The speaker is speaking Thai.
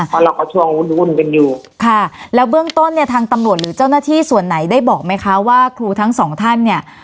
เพราะเราก็ช่วงวุ่นวุ่นกันอยู่ค่ะแล้วเบื้องต้นเนี่ยทางตำรวจหรือเจ้าหน้าที่ส่วนไหนได้บอกไหมคะว่าครูทั้งสองท่านเนี่ย